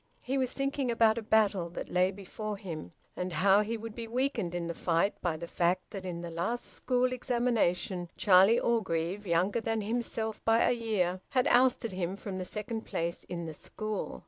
He was thinking about a battle that lay before him, and how he would be weakened in the fight by the fact that in the last school examination, Charlie Orgreave, younger than himself by a year, had ousted him from the second place in the school.